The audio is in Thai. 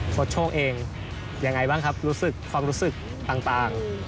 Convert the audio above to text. โทษโชคเองอย่างไรบ้างครับความรู้สึกต่าง